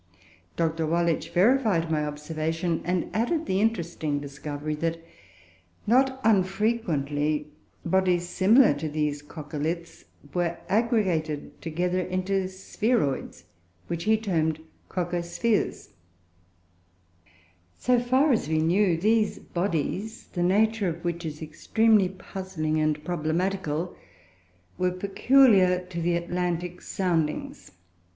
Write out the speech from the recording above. Dr. Wallich verified my observation, and added the interesting discovery that, not unfrequently, bodies similar to these "coccoliths" were aggregated together into spheroids, which lie termed "coccospheres." So far as we knew, these bodies, the nature of which is extremely puzzling and problematical, were peculiar to the Atlantic soundings.